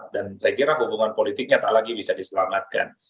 dan saya kira hubungan politiknya tak lagi bisa diselamatkan